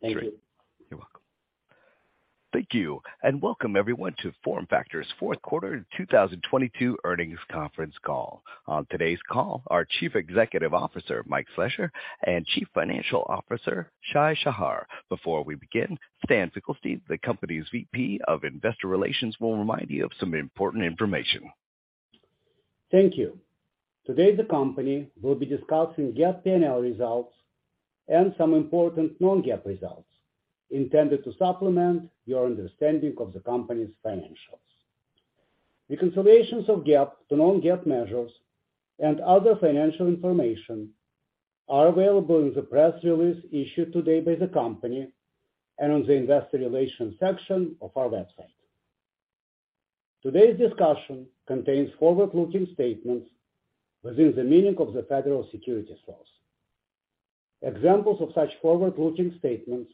Great. Thank you. You're welcome. Thank you, and welcome everyone to FormFactor's Fourth Quarter 2022 Earnings Conference call. On today's call, our Chief Executive Officer, Mike Slessor, and Chief Financial Officer, Shai Shahar. Before we begin, Stan Finkelstein, the company's VP of Investor Relations, will remind you of some important information. Thank you. Today, the company will be discussing GAAP P&L results and some important non-GAAP results intended to supplement your understanding of the company's financials. The consolidations of GAAP to non-GAAP measures and other financial information are available in the press release issued today by the company and on the investor relations section of our website. Today's discussion contains forward-looking statements within the meaning of the federal securities laws. Examples of such forward-looking statements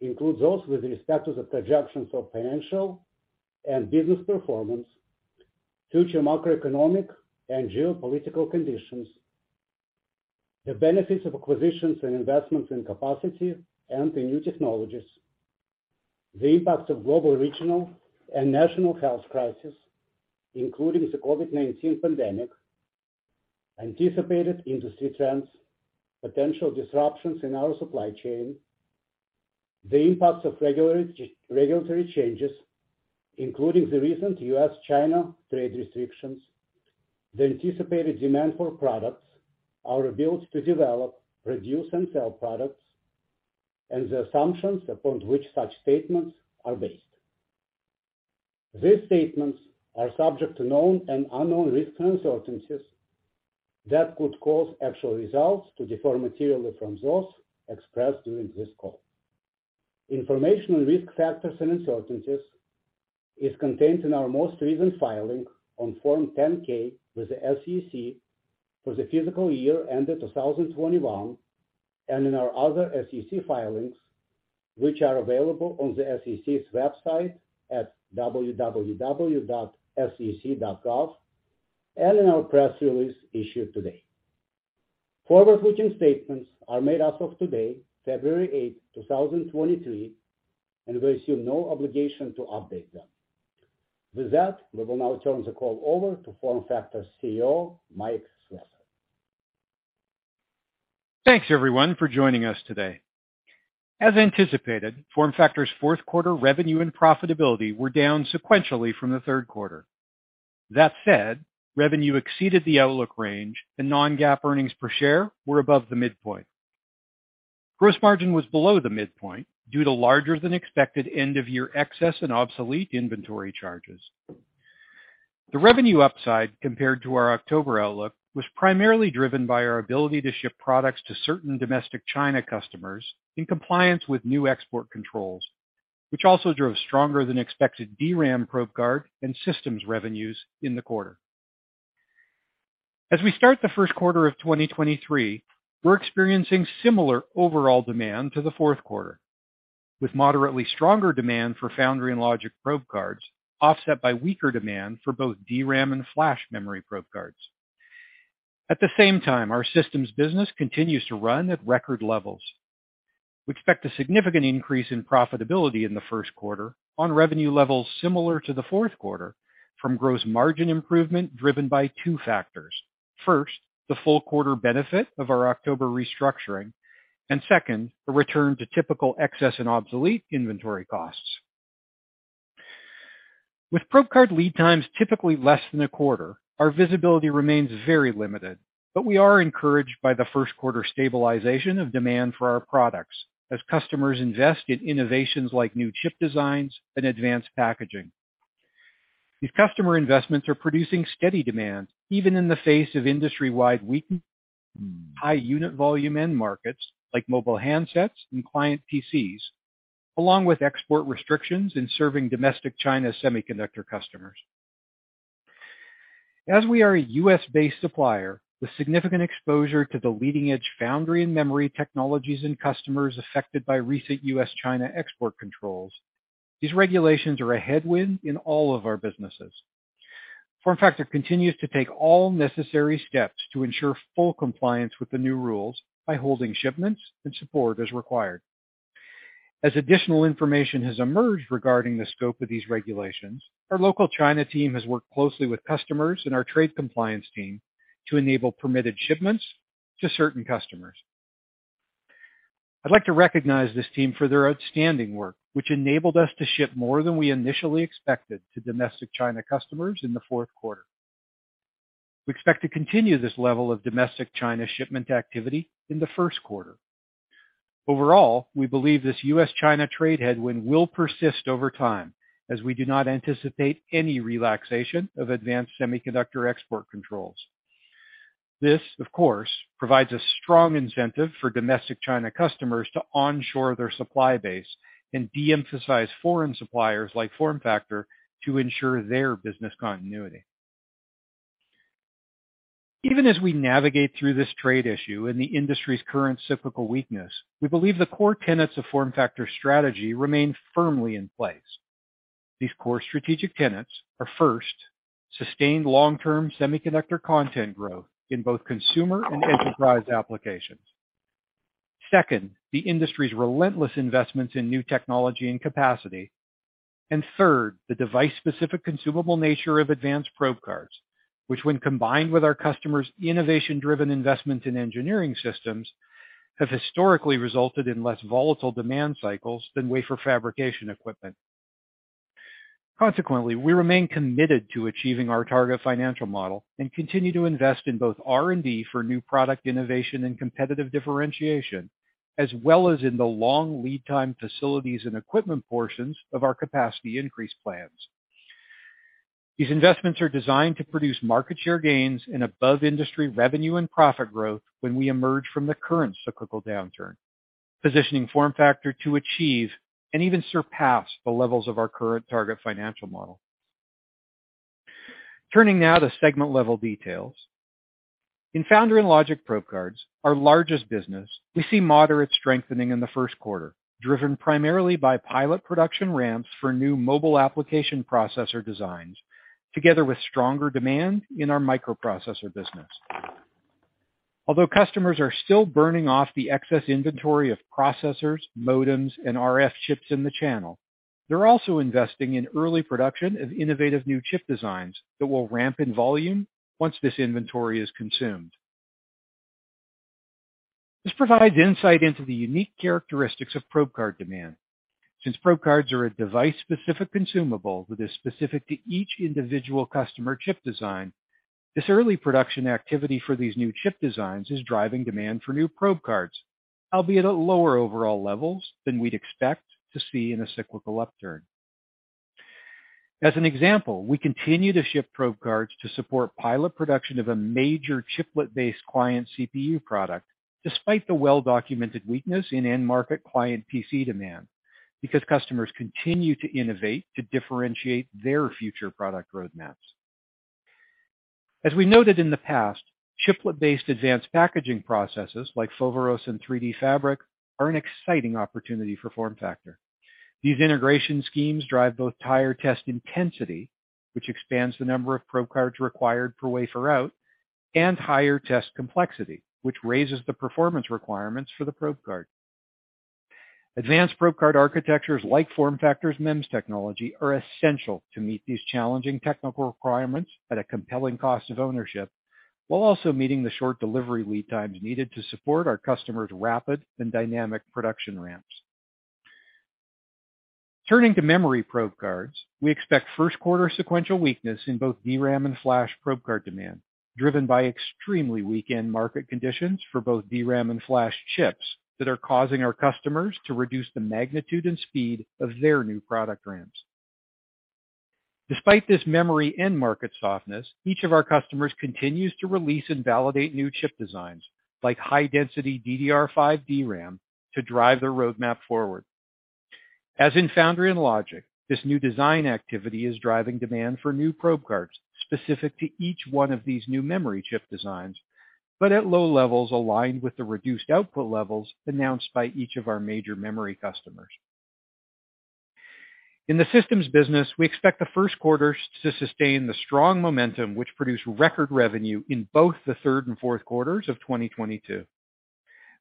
include those with respect to the projections of financial and business performance, future macroeconomic and geopolitical conditions, the benefits of acquisitions and investments in capacity and in new technologies, the impact of global, regional, and national health crisis, including the COVID-19 pandemic, anticipated industry trends, potential disruptions in our supply chain, the impacts of regulatory changes, including the recent U.S.-China trade restrictions, the anticipated demand for products, our ability to develop, produce, and sell products, and the assumptions upon which such statements are based. These statements are subject to known and unknown risks and uncertainties that could cause actual results to differ materially from those expressed during this call. Information on risk factors and uncertainties is contained in our most recent filing on Form 10-K with the SEC for the fiscal year ended 2021 and in our other SEC filings, which are available on the SEC's website at www.sec.gov and in our press release issued today. Forward-looking statements are made as of today, February 8th, 2023, and we assume no obligation to update them. With that, we will now turn the call over to FormFactor's CEO, Mike Slessor. Thanks everyone for joining us today. As anticipated, FormFactor's fourth quarter revenue and profitability were down sequentially from the third quarter. That said, revenue exceeded the outlook range, and non-GAAP earnings per share were above the midpoint. Gross margin was below the midpoint due to larger than expected end-of-year excess in obsolete inventory charges. The revenue upside compared to our October outlook was primarily driven by our ability to ship products to certain domestic China customers in compliance with new export controls, which also drove stronger than expected DRAM probe card and systems revenues in the quarter. As we start the first quarter of 2023, we're experiencing similar overall demand to the fourth quarter, with moderately stronger demand for foundry and logic probe cards offset by weaker demand for both DRAM and flash memory probe cards. At the same time, our systems business continues to run at record levels. We expect a significant increase in profitability in the first quarter on revenue levels similar to the fourth quarter from gross margin improvement driven by two factors. First, the full quarter benefit of our October restructuring. Second, a return to typical excess and obsolete inventory costs. With probe card lead times typically less than a quarter, our visibility remains very limited, but we are encouraged by the first quarter stabilization of demand for our products as customers invest in innovations like new chip designs and advanced packaging. These customer investments are producing steady demand, even in the face of industry-wide weakened high unit volume end markets like mobile handsets and client PCs, along with export restrictions in serving domestic China semiconductor customers. As we are a U.S.-based supplier with significant exposure to the leading-edge foundry and memory technologies and customers affected by recent U.S.-China export controls, these regulations are a headwind in all of our businesses. FormFactor continues to take all necessary steps to ensure full compliance with the new rules by holding shipments and support as required. Additional information has emerged regarding the scope of these regulations, our local China team has worked closely with customers and our trade compliance team to enable permitted shipments to certain customers. I'd like to recognize this team for their outstanding work, which enabled us to ship more than we initially expected to domestic China customers in the fourth quarter. We expect to continue this level of domestic China shipment activity in the first quarter. Overall, we believe this U.S.-China trade headwind will persist over time as we do not anticipate any relaxation of advanced semiconductor export controls. This, of course, provides a strong incentive for domestic China customers to onshore their supply base and de-emphasize foreign suppliers like FormFactor to ensure their business continuity. Even as we navigate through this trade issue and the industry's current cyclical weakness, we believe the core tenets of FormFactor's strategy remain firmly in place. These core strategic tenets are first, sustained long-term semiconductor content growth in both consumer and enterprise applications. Second, the industry's relentless investments in new technology and capacity. Third, the device-specific consumable nature of advanced probe cards, which when combined with our customers' innovation-driven investment in engineering systems, have historically resulted in less volatile demand cycles than wafer fabrication equipment. We remain committed to achieving our target financial model and continue to invest in both R&D for new product innovation and competitive differentiation, as well as in the long lead time facilities and equipment portions of our capacity increase plans. These investments are designed to produce market share gains and above-industry revenue and profit growth when we emerge from the current cyclical downturn, positioning FormFactor to achieve and even surpass the levels of our current target financial model. Turning now to segment-level details. In founder and logic probe cards, our largest business, we see moderate strengthening in the first quarter, driven primarily by pilot production ramps for new mobile application processor designs, together with stronger demand in our microprocessor business. Although customers are still burning off the excess inventory of processors, modems, and RF chips in the channel, they're also investing in early production of innovative new chip designs that will ramp in volume once this inventory is consumed. This provides insight into the unique characteristics of probe card demand. Since probe cards are a device-specific consumable that is specific to each individual customer chip design, this early production activity for these new chip designs is driving demand for new probe cards, albeit at lower overall levels than we'd expect to see in a cyclical upturn. As an example, we continue to ship probe cards to support pilot production of a major chiplet-based client CPU product, despite the well-documented weakness in end-market client PC demand, because customers continue to innovate to differentiate their future product roadmaps. As we noted in the past, chiplet-based advanced packaging processes like Foveros and 3D Fabric are an exciting opportunity for FormFactor. These integration schemes drive both higher test intensity, which expands the number of probe cards required per wafer out, and higher test complexity, which raises the performance requirements for the probe card. Advanced probe card architectures like FormFactor's MEMS technology are essential to meet these challenging technical requirements at a compelling cost of ownership, while also meeting the short delivery lead times needed to support our customers' rapid and dynamic production ramps. Turning to memory probe cards, we expect first quarter sequential weakness in both DRAM and flash probe card demand, driven by extremely weak end market conditions for both DRAM and flash chips that are causing our customers to reduce the magnitude and speed of their new product ramps. Despite this memory end market softness, each of our customers continues to release and validate new chip designs like high-density DDR5 DRAM to drive their roadmap forward. As in foundry and logic, this new design activity is driving demand for new probe cards specific to each one of these new memory chip designs, but at low levels aligned with the reduced output levels announced by each of our major memory customers. In the systems business, we expect the first quarter to sustain the strong momentum, which produced record revenue in both the third and fourth quarters of 2022.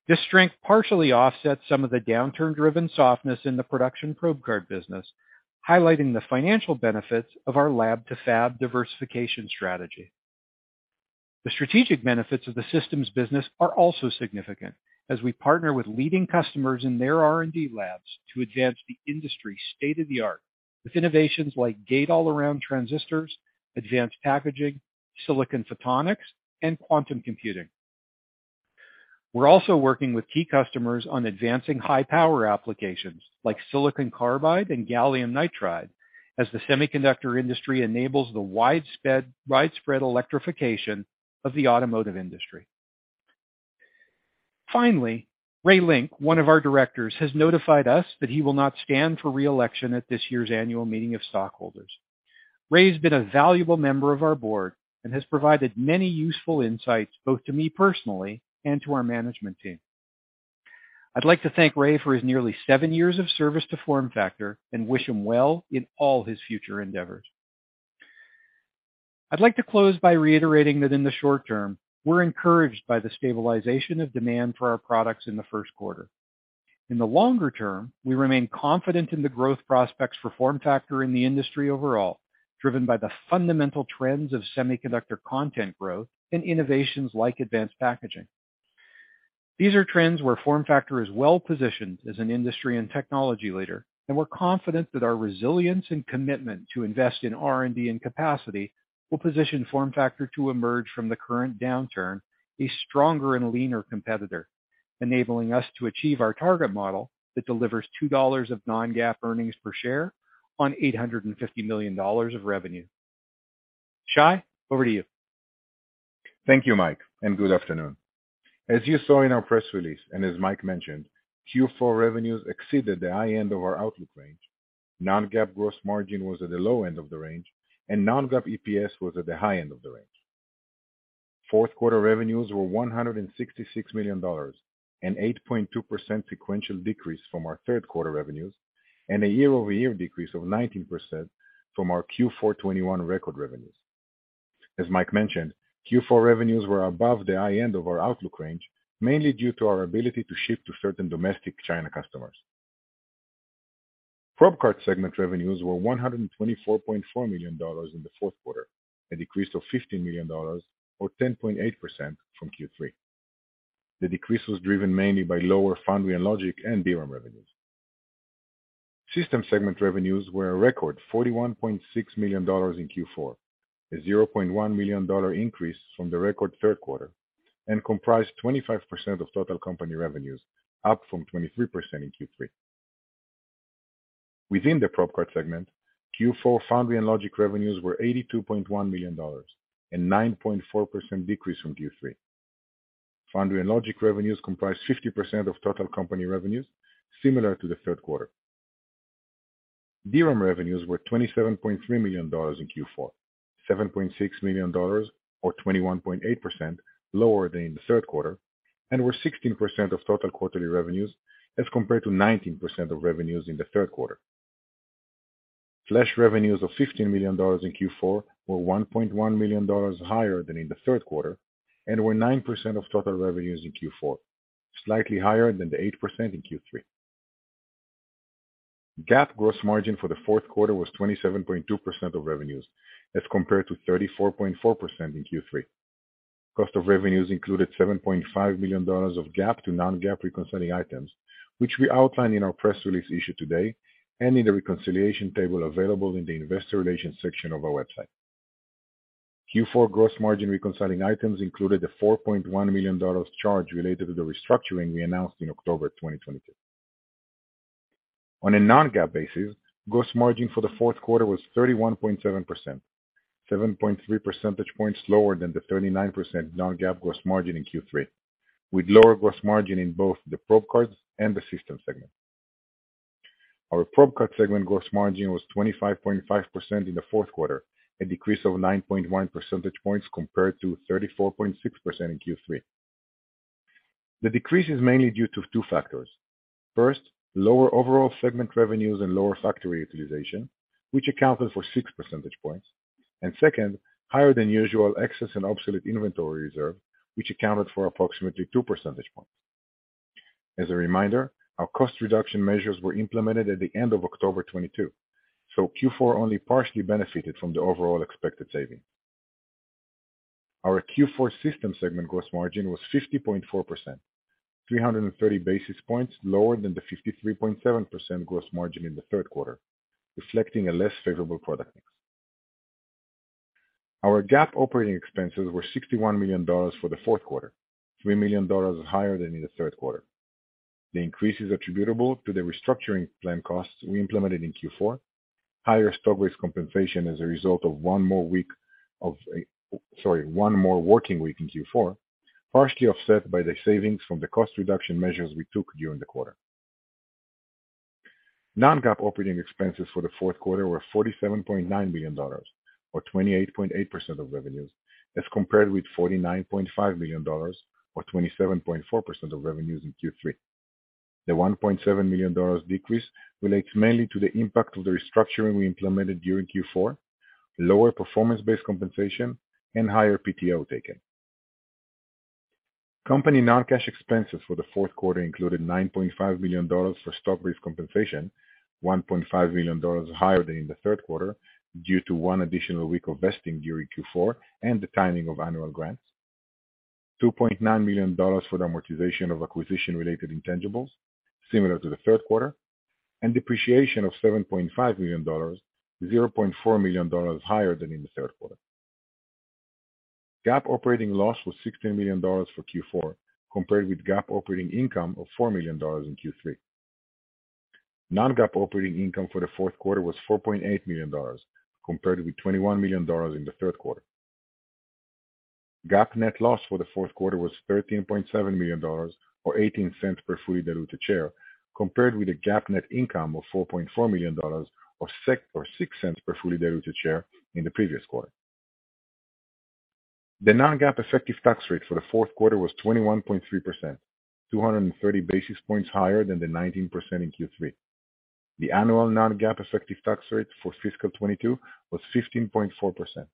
This strength partially offsets some of the downturn-driven softness in the production probe card business, highlighting the financial benefits of our lab to fab diversification strategy. The strategic benefits of the systems business are also significant, as we partner with leading customers in their R&D labs to advance the industry state-of-the-art with innovations like Gate-All-Around transistors, advanced packaging, silicon photonics, and quantum computing. We're also working with key customers on advancing high-power applications like silicon carbide and gallium nitride, as the semiconductor industry enables the widespread electrification of the automotive industry. Ray Link, one of our directors, has notified us that he will not stand for re-election at this year's annual meeting of stockholders. Ray's been a valuable member of our board and has provided many useful insights, both to me personally and to our management team. I'd like to thank Ray for his nearly seven years of service to FormFactor and wish him well in all his future endeavors. I'd like to close by reiterating that in the short term, we're encouraged by the stabilization of demand for our products in the first quarter. In the longer term, we remain confident in the growth prospects for FormFactor in the industry overall, driven by the fundamental trends of semiconductor content growth and innovations like advanced packaging. These are trends where FormFactor is well-positioned as an industry and technology leader, we're confident that our resilience and commitment to invest in R&D and capacity will position FormFactor to emerge from the current downturn a stronger and leaner competitor, enabling us to achieve our target model that delivers $2 of non-GAAP earnings per share on $850 million of revenue. Shai, over to you. Thank you, Mike. Good afternoon. As you saw in our press release, and as Mike mentioned, Q4 revenues exceeded the high end of our outlook range. non-GAAP gross margin was at the low end of the range, and non-GAAP EPS was at the high end of the range. Fourth quarter revenues were $166 million, an 8.2% sequential decrease from our third quarter revenues, and a year-over-year decrease of 19% from our Q4 2021 record revenues. As Mike mentioned, Q4 revenues were above the high end of our outlook range, mainly due to our ability to ship to certain domestic China customers. Probe card segment revenues were $124.4 million in the fourth quarter, a decrease of $15 million or 10.8% from Q3. The decrease was driven mainly by lower foundry and logic and DRAM revenues. System segment revenues were a record $41.6 million in Q4, a $0.1 million increase from the record third quarter, and comprised 25% of total company revenues, up from 23% in Q3. Within the probe card segment, Q4 foundry and logic revenues were $82.1 million, a 9.4% decrease from Q3. Foundry and logic revenues comprise 50% of total company revenues, similar to the third quarter. DRAM revenues were $27.3 million in Q4, $7.6 million or 21.8% lower than in the third quarter, and were 16% of total quarterly revenues as compared to 19% of revenues in the third quarter. Flash revenues of $15 million in Q4 were $1.1 million higher than in the third quarter and were 9% of total revenues in Q4, slightly higher than the 8% in Q3. GAAP gross margin for the fourth quarter was 27.2% of revenues as compared to 34.4% in Q3. Cost of revenues included $7.5 million of GAAP to non-GAAP reconciling items, which we outlined in our press release issued today and in the reconciliation table available in the investor relations section of our website. Q4 gross margin reconciling items included a $4.1 million charge related to the restructuring we announced in October 2022. On a non-GAAP basis, gross margin for the fourth quarter was 31.7%, 7.3 percentage points lower than the 39% non-GAAP gross margin in Q3, with lower gross margin in both the probe cards and the system segment. Our probe card segment gross margin was 25.5% in the fourth quarter, a decrease of 9.1 percentage points compared to 34.6% in Q3. The decrease is mainly due to two factors. First, lower overall segment revenues and lower factory utilization, which accounted for six percentage points. Second, higher than usual excess and obsolete inventory reserve, which accounted for approximately two percentage points. As a reminder, our cost reduction measures were implemented at the end of October 2022, so Q4 only partially benefited from the overall expected savings. Our Q4 system segment gross margin was 50.4%, 330 basis points lower than the 53.7% gross margin in the third quarter, reflecting a less favorable product mix. Our GAAP operating expenses were $61 million for the fourth quarter, $3 million higher than in the third quarter. The increase is attributable to the restructuring plan costs we implemented in Q4, higher stock-based compensation as a result of one more working week in Q4, partially offset by the savings from the cost reduction measures we took during the quarter. non-GAAP operating expenses for the fourth quarter were $47.9 million, or 28.8% of revenues, as compared with $49.5 million or 27.4% of revenues in Q3. The $1.7 million decrease relates mainly to the impact of the restructuring we implemented during Q4, lower performance-based compensation, and higher PTO taken. Company non-cash expenses for the fourth quarter included $9.5 million for stock-based compensation, $1.5 million higher than in the third quarter due to one additional week of vesting during Q4 and the timing of annual grants. $2.9 million for the amortization of acquisition-related intangibles, similar to the third quarter, and depreciation of $7.5 million, $0.4 million higher than in the third quarter. GAAP operating loss was $16 million for Q4, compared with GAAP operating income of $4 million in Q3. Non-GAAP operating income for the fourth quarter was $4.8 million, compared with $21 million in the third quarter. GAAP net loss for the fourth quarter was $13.7 million or $0.18 per fully diluted share, compared with a GAAP net income of $4.4 million or $0.06 per fully diluted share in the previous quarter. The non-GAAP effective tax rate for the fourth quarter was 21.3%, 230 basis points higher than the 19% in Q3. The annual non-GAAP effective tax rate for fiscal 2022 was 15.4%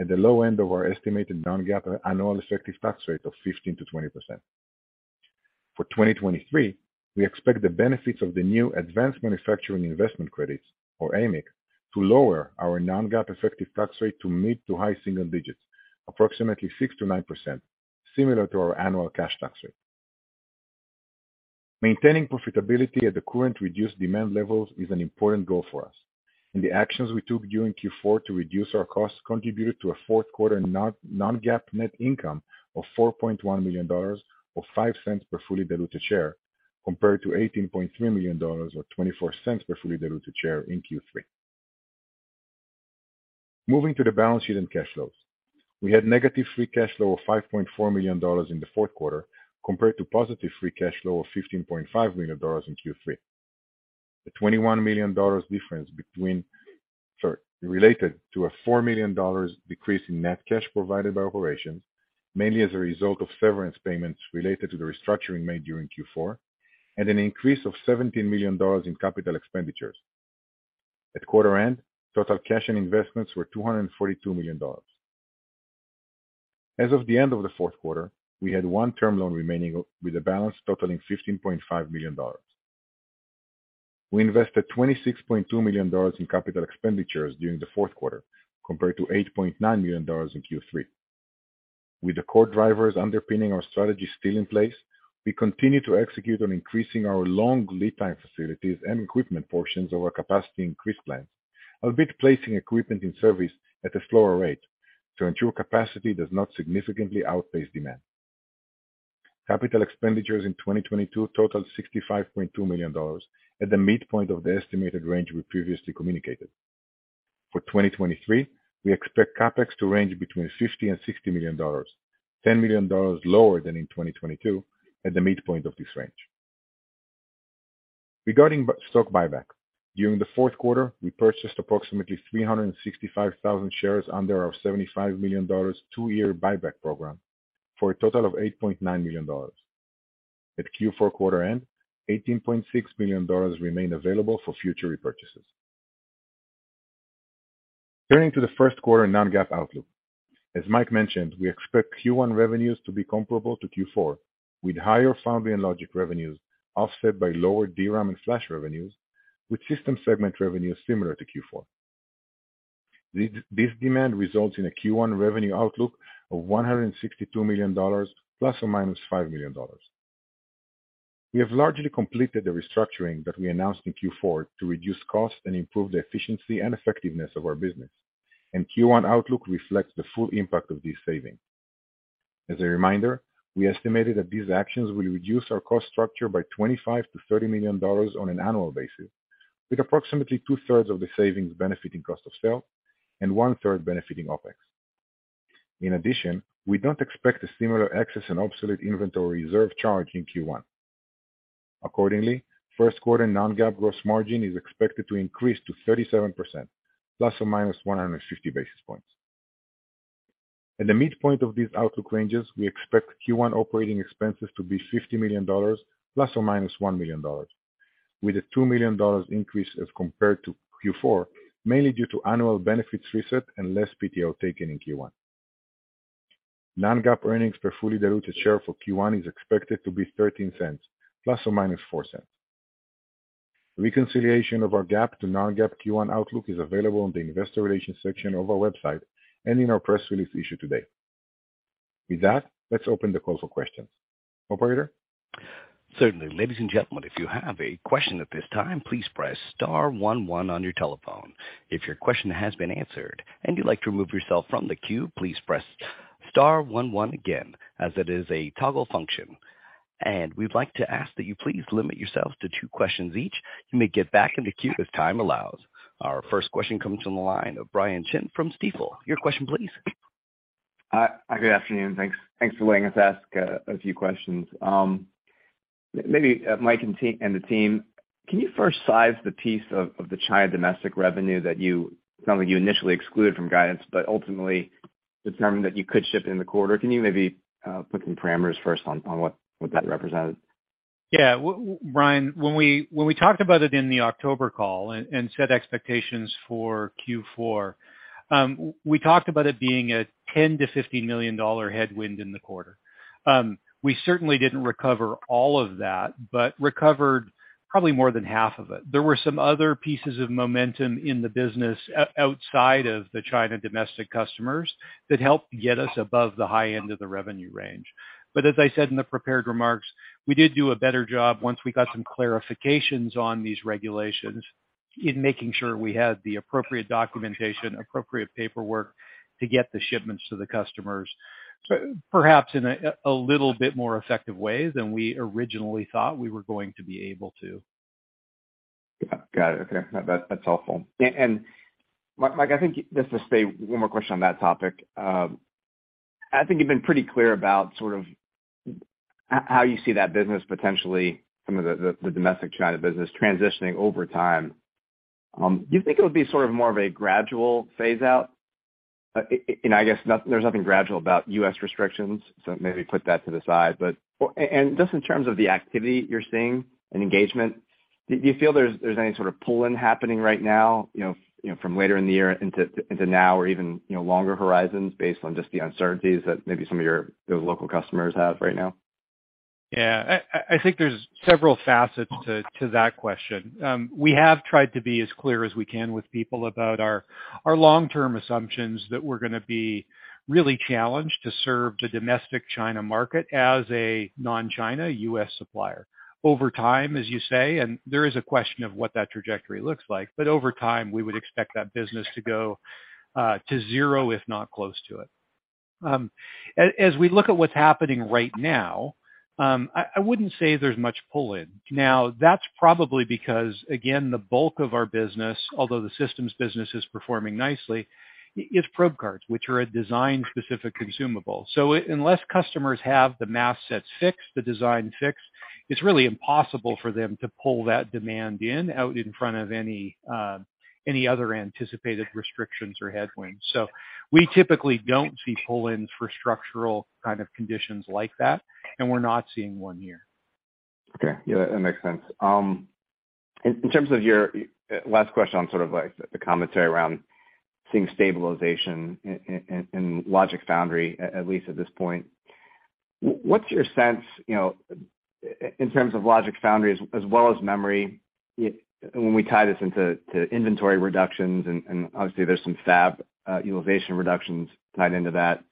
at the low end of our estimated non-GAAP annual effective tax rate of 15%-20%. For 2023, we expect the benefits of the new advanced manufacturing investment credits, or AMIC, to lower our non-GAAP effective tax rate to mid to high single digits, approximately 6%-9%, similar to our annual cash tax rate. Maintaining profitability at the current reduced demand levels is an important goal for us, and the actions we took during Q4 to reduce our costs contributed to a fourth quarter non-GAAP net income of $4.1 million or $0.05 per fully diluted share, compared to $18.3 million or $0.24 per fully diluted share in Q3. Moving to the balance sheet and cash flows. We had negative free cash flow of $5.4 million in the fourth quarter, compared to positive free cash flow of $15.5 million in Q3. The $21 million difference related to a $4 million decrease in net cash provided by operations, mainly as a result of severance payments related to the restructuring made during Q4, and an increase of $17 million in capital expenditures. At quarter end, total cash and investments were $242 million. As of the end of the fourth quarter, we had one term loan remaining with a balance totaling $15.5 million. We invested $26.2 million in capital expenditures during the fourth quarter, compared to $8.9 million in Q3. With the core drivers underpinning our strategy still in place, we continue to execute on increasing our long lead time facilities and equipment portions of our capacity increase plans, albeit placing equipment in service at a slower rate to ensure capacity does not significantly outpace demand. Capital expenditures in 2022 totaled $65.2 million at the midpoint of the estimated range we previously communicated. For 2023, we expect CapEx to range between $50 million-$60 million, $10 million lower than in 2022 at the midpoint of this range. Regarding stock buyback, during the fourth quarter, we purchased approximately 365,000 shares under our $75 million two year buyback program for a total of $8.9 million. At Q4 quarter end, $18.6 million remain available for future repurchases. Turning to the first quarter non-GAAP outlook. As Mike mentioned, we expect Q1 revenues to be comparable to Q4, with higher foundry and logic revenues offset by lower DRAM and flash revenues, with system segment revenues similar to Q4. This demand results in a Q1 revenue outlook of $162 million ±$5 million. We have largely completed the restructuring that we announced in Q4 to reduce costs and improve the efficiency and effectiveness of our business. Q1 outlook reflects the full impact of these savings. As a reminder, we estimated that these actions will reduce our cost structure by $25 million-$30 million on an annual basis, with approximately 2/3 of the savings benefiting cost of sale and one-third benefiting OpEx. In addition, we don't expect a similar excess and obsolete inventory reserve charge in Q1. Accordingly, first quarter non-GAAP gross margin is expected to increase to 37% ± 150 basis points. At the midpoint of these outlook ranges, we expect Q1 operating expenses to be $50 million ± $1 million, with a $2 million increase as compared to Q4, mainly due to annual benefits reset and less PTO taken in Q1. non-GAAP earnings per fully diluted share for Q1 is expected to be $0.13 ± $0.04. Reconciliation of our GAAP to non-GAAP Q1 outlook is available on the investor relations section of our website and in our press release issued today. With that, let's open the call for questions. Operator? Certainly. Ladies and gentlemen, if you have a question at this time, please press star one one on your telephone. If your question has been answered and you'd like to remove yourself from the queue, please press star one one again, as it is a toggle function. We'd like to ask that you please limit yourself to two questions each. You may get back in the queue as time allows. Our first question comes from the line of Brian Chin from Stifel. Your question please. Hi. Good afternoon. Thanks. Thanks for letting us ask a few questions. Maybe Mike and the team, can you first size the piece of the China domestic revenue that you it sounds like you initially excluded from guidance, but ultimately determined that you could ship in the quarter. Can you maybe put some parameters first on what that represented? Yeah, Brian, when we talked about it in the October call and set expectations for Q4, we talked about it being a $10 million-$15 million headwind in the quarter. We certainly didn't recover all of that, but recovered probably more than half of it. There were some other pieces of momentum in the business outside of the China domestic customers that helped get us above the high end of the revenue range. As I said in the prepared remarks, we did do a better job once we got some clarifications on these regulations in making sure we had the appropriate documentation, appropriate paperwork to get the shipments to the customers, perhaps in a little bit more effective way than we originally thought we were going to be able to. Got it. Okay. That's helpful. Mike, I think just to stay one more question on that topic. I think you've been pretty clear about sort of how you see that business, potentially some of the domestic China business transitioning over time. Do you think it would be sort of more of a gradual phase out? I guess there's nothing gradual about U.S. restrictions, so maybe put that to the side. Just in terms of the activity you're seeing and engagement, do you feel there's any sort of pull-in happening right now? You know, from later in the year into now or even, you know, longer horizons based on just the uncertainties that maybe some of your local customers have right now? I think there's several facets to that question. We have tried to be as clear as we can with people about our long-term assumptions that we're gonna be really challenged to serve the domestic China market as a non-China U.S. supplier. Over time, as you say, and there is a question of what that trajectory looks like, but over time, we would expect that business to go to zero, if not close to it. As we look at what's happening right now, I wouldn't say there's much pull-in. Now, that's probably because, again, the bulk of our business, although the systems business is performing nicely, is probe cards, which are a design-specific consumable. Unless customers have the mask sets fixed, the design fixed, it's really impossible for them to pull that demand in out in front of any any other anticipated restrictions or headwinds. We typically don't see pull-ins for structural kind of conditions like that, and we're not seeing one here. Okay. Yeah, that makes sense. In terms of your last question on sort of like the commentary around seeing stabilization in Logic Foundry, at least at this point, what's your sense, you know, in terms of Logic Foundry as well as memory, when we tie this into inventory reductions and obviously there's some fab utilization reductions tied into that,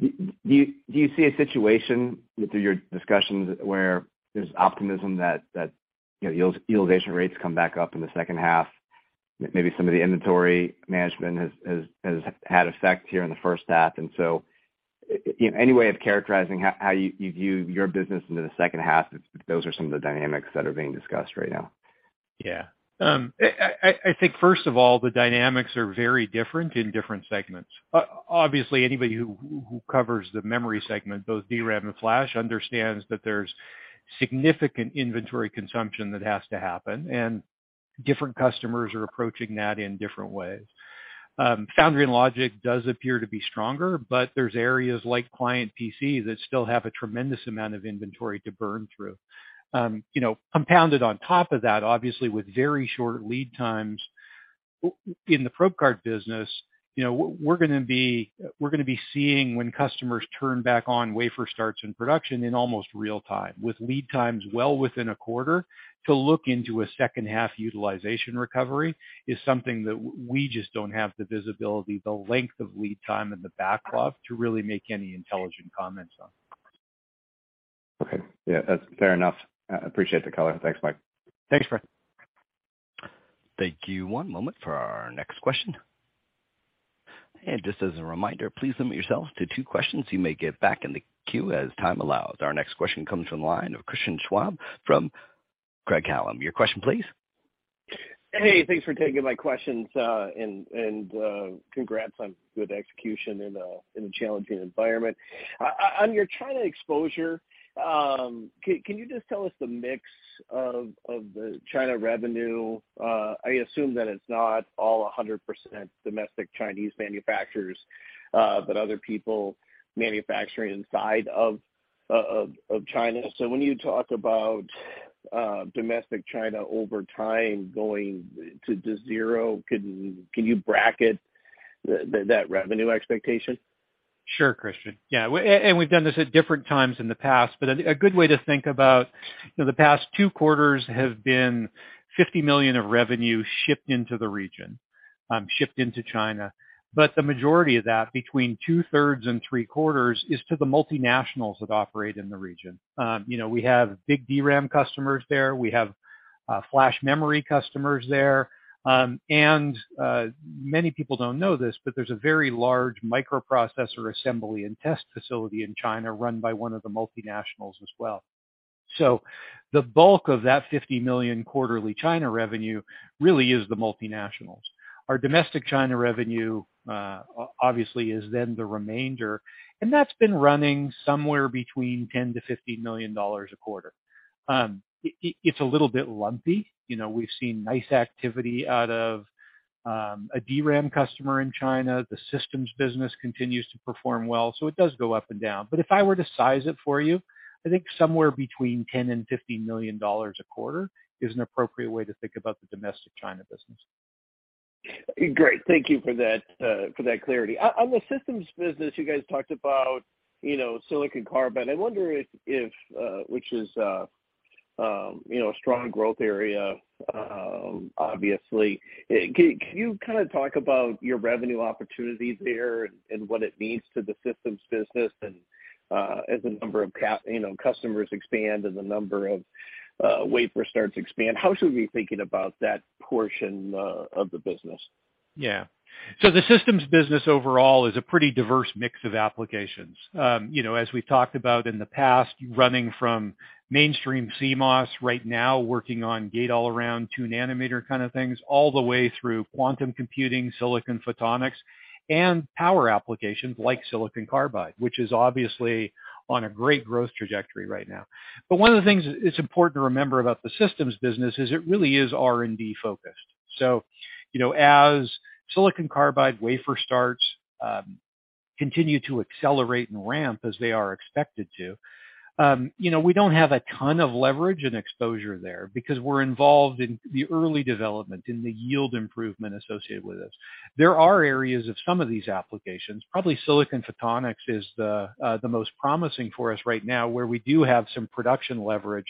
do you see a situation through your discussions where there's optimism that, you know, utilization rates come back up in the second half? Maybe some of the inventory management has had effect here in the first half. Any way of characterizing how you view your business into the second half if those are some of the dynamics that are being discussed right now? Yeah. I think first of all, the dynamics are very different in different segments. Obviously, anybody who covers the memory segment, both DRAM and flash, understands that there's significant inventory consumption that has to happen, and different customers are approaching that in different ways. Foundry and Logic does appear to be stronger, there's areas like client PC that still have a tremendous amount of inventory to burn through. You know, compounded on top of that, obviously, with very short lead times in the probe card business, you know, we're gonna be seeing when customers turn back on wafer starts and production in almost real time. With lead times well within a quarter to look into a second half utilization recovery is something that we just don't have the visibility, the length of lead time and the backlog to really make any intelligent comments on. Okay. Yeah, that's fair enough. I appreciate the color. Thanks, Mike. Thanks, Brian. Thank you. One moment for our next question. Just as a reminder, please limit yourself to two questions. You may get back in the queue as time allows. Our next question comes from the line of Christian Schwab from Craig-Hallum. Your question please. Hey, thanks for taking my questions, and congrats on good execution in a challenging environment. On your China exposure, can you just tell us the mix of the China revenue? I assume that it's not all 100% domestic Chinese manufacturers, but other people manufacturing inside of China. When you talk about domestic China over time going to zero, can you bracket that revenue expectation? Sure, Christian. We've done this at different times in the past, a good way to think about, you know, the past two quarters have been $50 million of revenue shipped into the region, shipped into China. The majority of that, between 2/3 and three-quarters, is to the multinationals that operate in the region. You know, we have big DRAM customers there. We have flash memory customers there. Many people don't know this, but there's a very large microprocessor assembly and test facility in China run by one of the multinationals as well. The bulk of that $50 million quarterly China revenue really is the multinationals. Our domestic China revenue obviously is then the remainder, and that's been running somewhere between $10 million-$15 million a quarter. It's a little bit lumpy. You know, we've seen nice activity out of a DRAM customer in China. The systems business continues to perform well, so it does go up and down. If I were to size it for you, I think somewhere between $10 million and $15 million a quarter is an appropriate way to think about the domestic China business. Great. Thank you for that, for that clarity. On the systems business, you guys talked about, you know, silicon carbide. I wonder if, which is, you know, a strong growth area, obviously. Can you kinda talk about your revenue opportunities there and what it means to the systems business and, as the number of, you know, customers expand and the number of wafer starts expand? How should we be thinking about that portion of the business? Yeah. The systems business overall is a pretty diverse mix of applications. you know, as we've talked about in the past, running from mainstream CMOS right now, working on Gate-All-Around 2 nm kinda things, all the way through quantum computing, silicon photonics, and power applications like silicon carbide, which is obviously on a great growth trajectory right now. One of the things it's important to remember about the systems business is it really is R&D focused. you know, as silicon carbide wafer starts continue to accelerate and ramp as they are expected to, you know, we don't have a ton of leverage and exposure there because we're involved in the early development, in the yield improvement associated with this. There are areas of some of these applications. Probably silicon photonics is the most promising for us right now, where we do have some production leverage.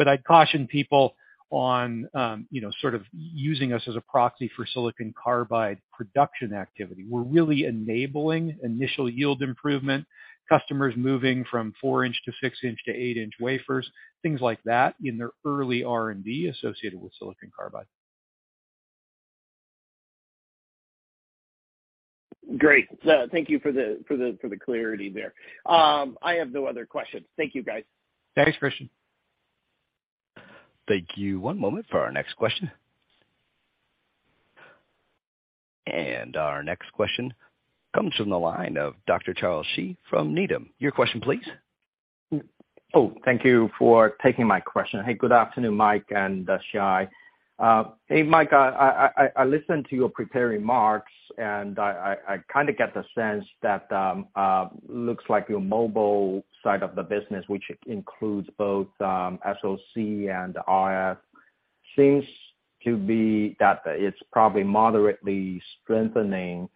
I'd caution people on, you know, sort of using us as a proxy for silicon carbide production activity. We're really enabling initial yield improvement, customers moving from 4-inch to 6-inch to 8-inch wafers, things like that in their early R&D associated with silicon carbide. Great. Thank you for the clarity there. I have no other questions. Thank you, guys. Thanks, Christian. Thank you. One moment for our next question. Our next question comes from the line of Dr. Charles Shi from Needham. Your question please. Thank you for taking my question. Hey, good afternoon, Mike and Shai. Hey, Mike. I listened to your prepared remarks, and I kind of get the sense that looks like your mobile side of the business, which includes both SOC and RF, seems to be that it's probably moderately strengthening.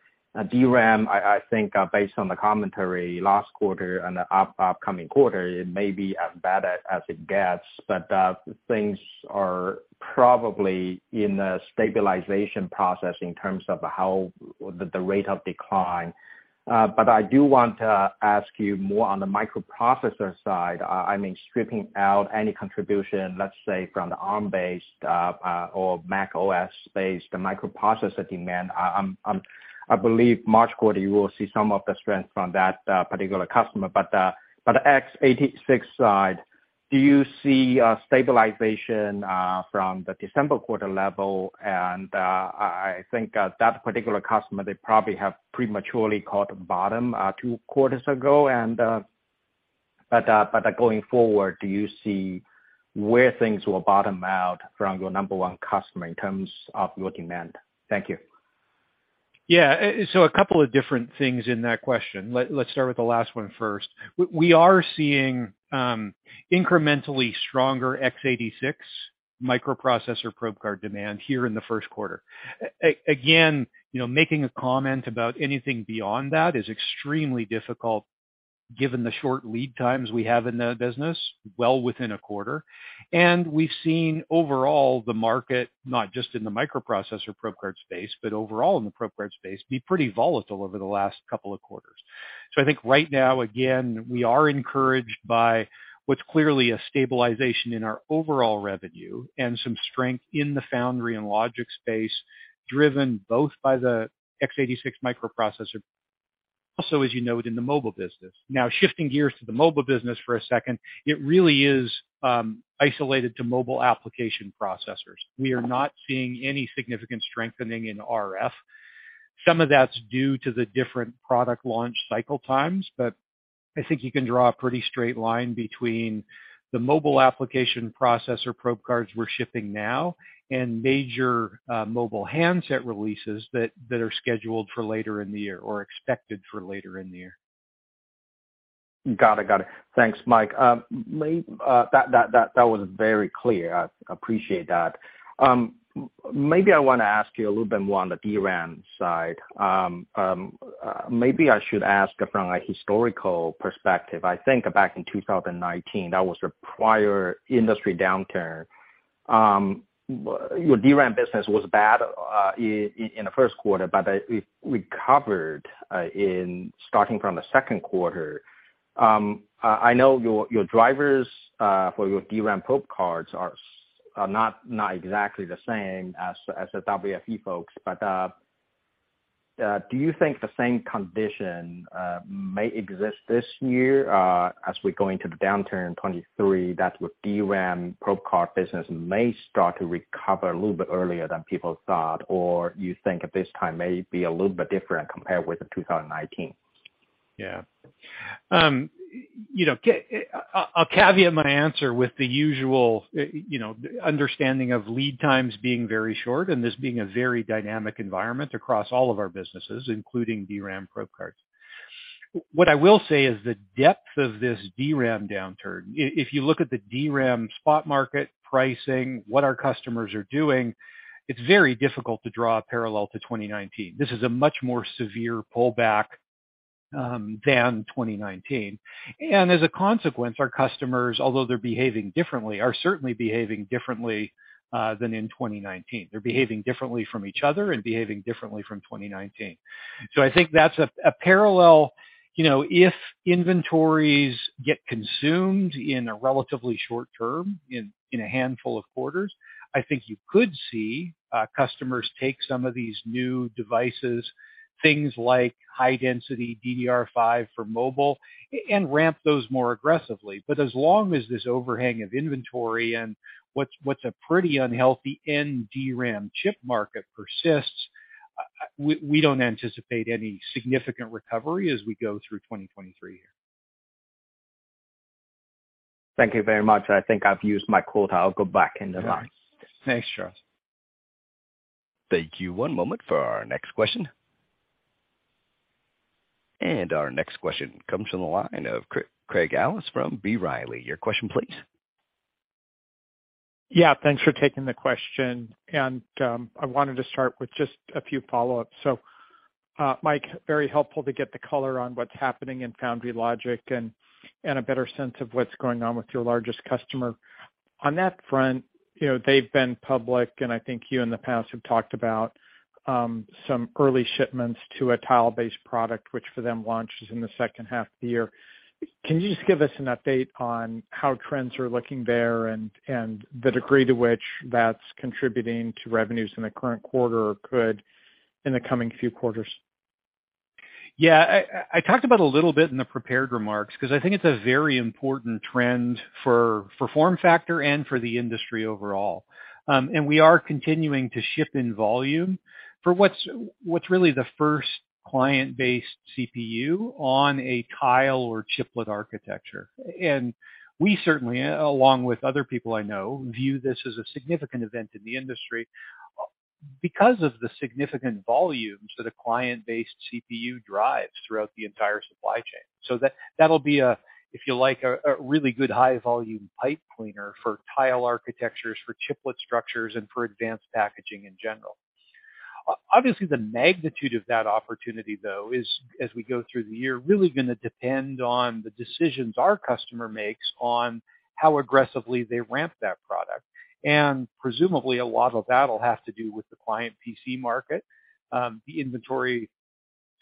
DRAM, I think, based on the commentary last quarter and the upcoming quarter, it may be as bad as it gets. Things are probably in the stabilization process in terms of how the rate of decline. I do want to ask you more on the microprocessor side. I mean, stripping out any contribution, let's say, from the Arm-based or macOS-based microprocessor demand. I believe March quarter, you will see some of the strength from that particular customer. x86 side, do you see stabilization from the December quarter level? I think that particular customer, they probably have prematurely caught bottom two quarters ago. going forward, do you see where things will bottom out from your number one customer in terms of your demand? Thank you. A couple of different things in that question. Let's start with the last one first. We are seeing incrementally stronger x86 microprocessor probe card demand here in the first quarter. Again, you know, making a comment about anything beyond that is extremely difficult given the short lead times we have in the business, well within a quarter. We've seen overall the market, not just in the microprocessor probe card space, but overall in the probe card space, be pretty volatile over the last couple of quarters. I think right now, again, we are encouraged by what's clearly a stabilization in our overall revenue and some strength in the foundry and logic space, driven both by the x86 microprocessor, also, as you note, in the mobile business. Shifting gears to the mobile business for a second, it really is isolated to mobile application processors. We are not seeing any significant strengthening in RF. Some of that's due to the different product launch cycle times, but I think you can draw a pretty straight line between the mobile application processor probe cards we're shipping now and major mobile handset releases that are scheduled for later in the year or expected for later in the year. Got it. Got it. Thanks, Mike. That was very clear. I appreciate that. Maybe I wanna ask you a little bit more on the DRAM side. Maybe I should ask from a historical perspective. I think back in 2019, that was the prior industry downturn. Your DRAM business was bad in the first quarter, but it recovered starting from the second quarter. I know your drivers for your DRAM probe cards are not exactly the same as the WFE folks. Do you think the same condition may exist this year as we go into the downturn in 2023, that your DRAM probe card business may start to recover a little bit earlier than people thought? You think at this time may be a little bit different compared with 2019? Yeah. you know, I'll caveat my answer with the usual, you know, understanding of lead times being very short and this being a very dynamic environment across all of our businesses, including DRAM probe cards. What I will say is the depth of this DRAM downturn. If you look at the DRAM spot market pricing, what our customers are doing, it's very difficult to draw a parallel to 2019. This is a much more severe pullback than 2019. As a consequence, our customers, although they're behaving differently, are certainly behaving differently than in 2019. They're behaving differently from each other and behaving differently from 2019. I think that's a parallel. You know, if inventories get consumed in a relatively short term, in a handful of quarters, I think you could see customers take some of these new devices, things like high density DDR5 for mobile, and ramp those more aggressively. As long as this overhang of inventory and what's a pretty unhealthy DRAM chip market persists, we don't anticipate any significant recovery as we go through 2023 here. Thank you very much. I think I've used my quota. I'll go back in the line. Thanks, Charles. Thank you. One moment for our next question. Our next question comes from the line of Craig Ellis from B. Riley. Your question, please. Yeah, thanks for taking the question. I wanted to start with just a few follow-ups. Mike, very helpful to get the color on what's happening in foundry logic and a better sense of what's going on with your largest customer. On that front, you know, they've been public, and I think you in the past have talked about some early shipments to a tile-based product, which for them launches in the second half of the year. Can you just give us an update on how trends are looking there and the degree to which that's contributing to revenues in the current quarter or could in the coming few quarters? I talked about a little bit in the prepared remarks because I think it's a very important trend for FormFactor and for the industry overall. We are continuing to ship in volume for what's really the first client-based CPU on a tile or chiplet architecture. We certainly, along with other people I know, view this as a significant event in the industry because of the significant volumes that a client-based CPU drives throughout the entire supply chain. That'll be a, if you like, a really good high volume pipe cleaner for tile architectures, for chiplet structures, and for advanced packaging in general. Obviously, the magnitude of that opportunity, though, is as we go through the year, really gonna depend on the decisions our customer makes on how aggressively they ramp that product. Presumably, a lot of that'll have to do with the client PC market, the inventory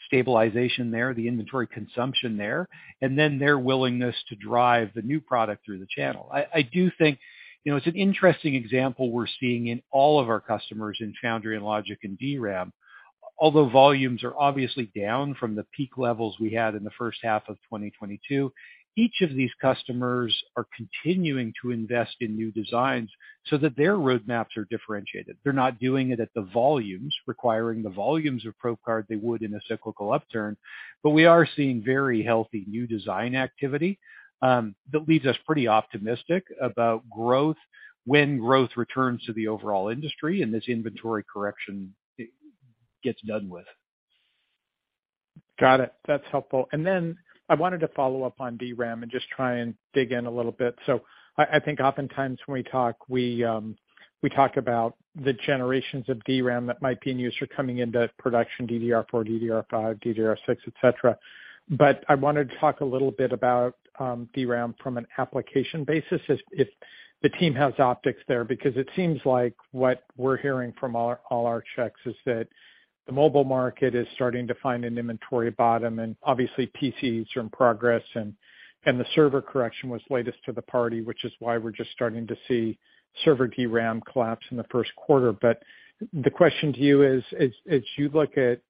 stabilization there, the inventory consumption there, and then their willingness to drive the new product through the channel. I do think, you know, it's an interesting example we're seeing in all of our customers in Foundry and Logic and DRAM. Although volumes are obviously down from the peak levels we had in the first half of 2022, each of these customers are continuing to invest in new designs so that their roadmaps are differentiated. They're not doing it at the volumes, requiring the volumes of probe card they would in a cyclical upturn, but we are seeing very healthy new design activity, that leaves us pretty optimistic about growth when growth returns to the overall industry and this inventory correction gets done with. Got it. That's helpful. Then I wanted to follow up on DRAM and just try and dig in a little bit. I think oftentimes when we talk, we talk about the generations of DRAM that might be in use or coming into production, DDR4, DDR5, DDR6, et cetera. I wanted to talk a little bit about DRAM from an application basis if the team has optics there, because it seems like what we're hearing from all our checks is that the mobile market is starting to find an inventory bottom, obviously PCs are in progress and the server correction was latest to the party, which is why we're just starting to see server DRAM collapse in the first quarter. The question to you is, as you look at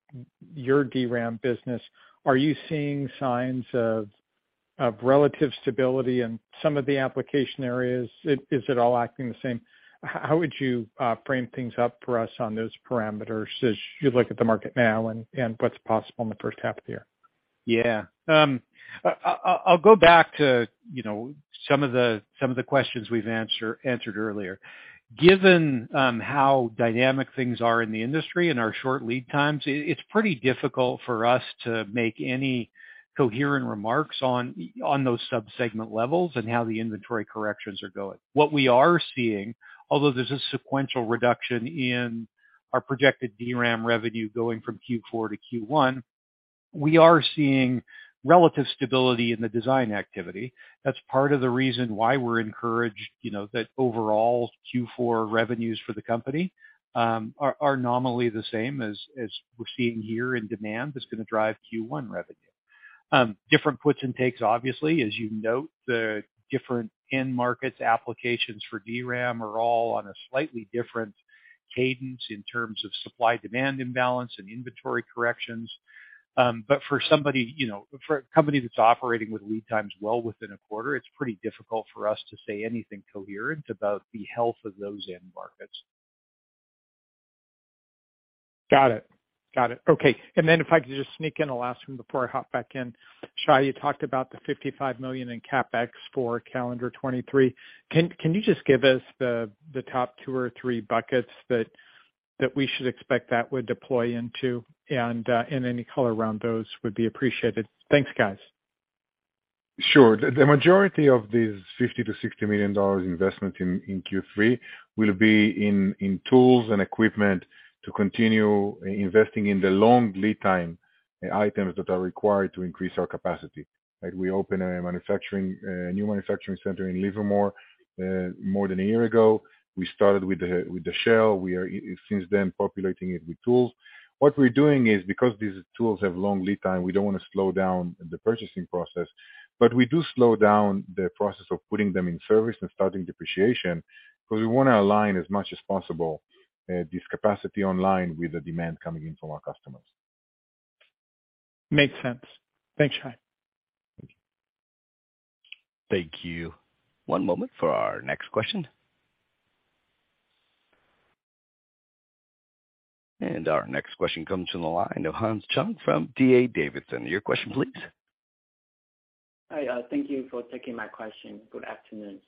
your DRAM business, are you seeing signs of relative stability in some of the application areas? Is it all acting the same? How would you frame things up for us on those parameters as you look at the market now and what's possible in the first half of the year? I, I'll go back to, you know, some of the, some of the questions we've answered earlier. Given how dynamic things are in the industry and our short lead times, it's pretty difficult for us to make any coherent remarks on those sub-segment levels and how the inventory corrections are going. What we are seeing, although there's a sequential reduction in our projected DRAM revenue going from Q4 to Q1, we are seeing relative stability in the design activity. That's part of the reason why we're encouraged, you know, that overall Q4 revenues for the company are nominally the same as we're seeing here in demand that's gonna drive Q1 revenue. Different puts and takes, obviously, as you note, the different end markets applications for DRAM are all on a slightly different cadence in terms of supply-demand imbalance and inventory corrections. For somebody, you know, for a company that's operating with lead times well within a quarter, it's pretty difficult for us to say anything coherent about the health of those end markets. Got it. Got it. Okay. Then if I could just sneak in a last one before I hop back in. Shai, you talked about the $55 million in CapEx for calendar 2023. Can you just give us the top two or three buckets that we should expect that would deploy into? Any color around those would be appreciated. Thanks, guys. Sure. The majority of these $50 million-$60 million investment in Q3 will be in tools and equipment to continue investing in the long lead time items that are required to increase our capacity. Like, we opened a manufacturing, a new manufacturing center in Livermore, more than a year ago. We started with the, with the shell. We are since then populating it with tools. What we're doing is, because these tools have long lead time, we don't wanna slow down the purchasing process, but we do slow down the process of putting them in service and starting depreciation because we wanna align as much as possible, this capacity online with the demand coming in from our customers. Makes sense. Thanks, Shai. Thank you. Thank you. One moment for our next question. Our next question comes from the line of Hans Chung from D.A. Davidson. Your question please. Hi. Thank you for taking my question. Good afternoon.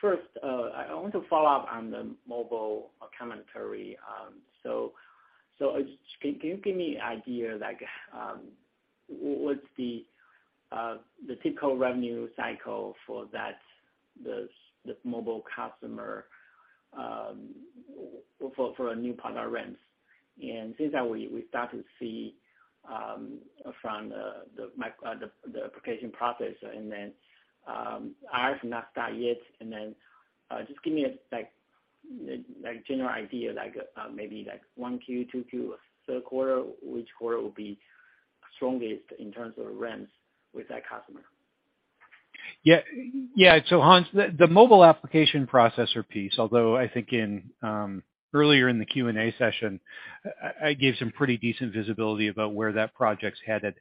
First, I want to follow up on the mobile commentary. Can you give me an idea, like, what's the typical revenue cycle for that, the mobile customer, for a new product ramps? Since that we start to see from the application process and then RF not start yet. Just give me a, like, general idea, like, maybe like 1 Q, 2 Q, third quarter, which quarter will be strongest in terms of ramps with that customer? Yeah. Yeah. Hans, the mobile application processor piece, although I think in earlier in the Q&A session I gave some pretty decent visibility about where that project's headed.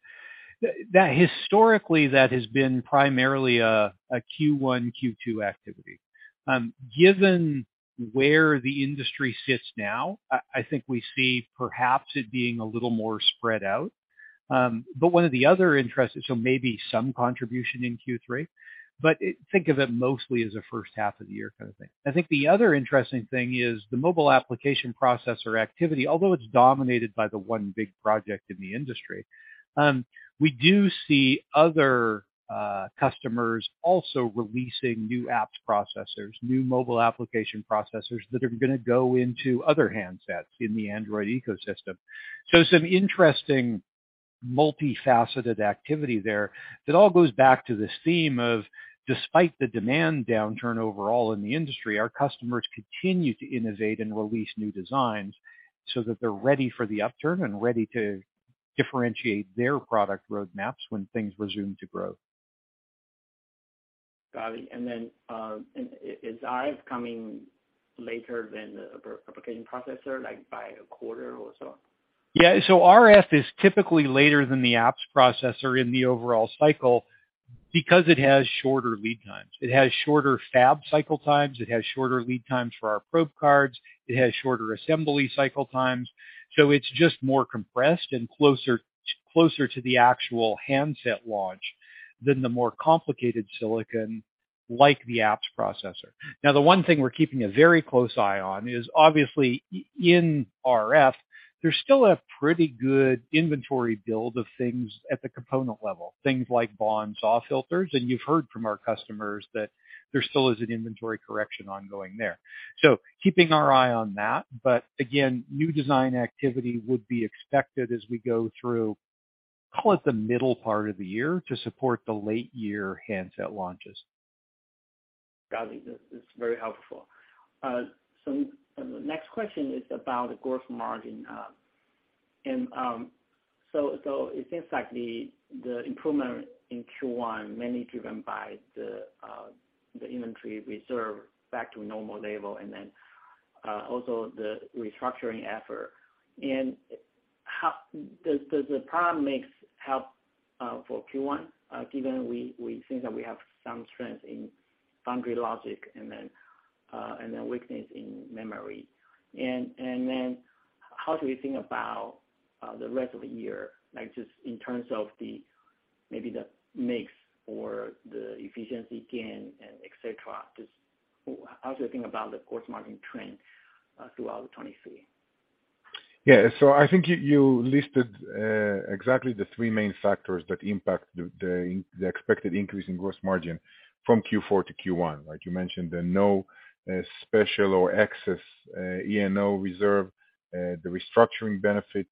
That historically, that has been primarily a Q1, Q2 activity. Given where the industry sits now, I think we see perhaps it being a little more spread out. But one of the other interests, so maybe some contribution in Q3, but think of it mostly as a first half of the year kind of thing. I think the other interesting thing is the mobile application processor activity, although it's dominated by the one big project in the industry, we do see other customers also releasing new apps processors, new mobile application processors that are gonna go into other handsets in the Android ecosystem. Some interesting multifaceted activity there that all goes back to this theme of despite the demand downturn overall in the industry, our customers continue to innovate and release new designs so that they're ready for the upturn and ready to differentiate their product roadmaps when things resume to grow. Got it. Is RF coming later than the application processor, like by a quarter or so? Yeah. RF is typically later than the apps processor in the overall cycle because it has shorter lead times. It has shorter fab cycle times. It has shorter lead times for our probe cards. It has shorter assembly cycle times. It's just more compressed and closer to the actual handset launch than the more complicated silicon like the apps processor. Now, the one thing we're keeping a very close eye on is obviously in RF, there's still a pretty good inventory build of things at the component level, things like BAW/SAW filters, and you've heard from our customers that there still is an inventory correction ongoing there. Keeping our eye on that, but again, new design activity would be expected as we go through, call it the middle part of the year to support the late year handset launches. Got it. That's very helpful. The next question is about gross margin. It seems like the improvement in Q1 mainly driven by the inventory reserve back to a normal level and then also the restructuring effort. How does the problem makes help for Q1, given we think that we have some strength in foundry logic and then weakness in memory? How do we think about the rest of the year, like just in terms of the mix or the efficiency gain and et cetera? Just how to think about the gross margin trend throughout 2023? I think you listed exactly the three main factors that impact the expected increase in gross margin from Q4 to Q1. Like you mentioned, the no special or excess E&O reserve, the restructuring benefits